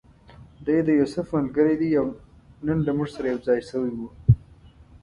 دی د یوسف ملګری دی او نن له موږ سره یو ځای شوی و.